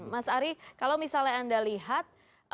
mas ari kalau misalnya anda lihat